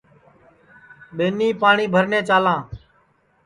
ٻینی پاٹؔی بھرنے چالاں